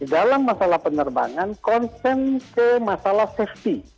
dalam masalah penerbangan konsen ke masalah safety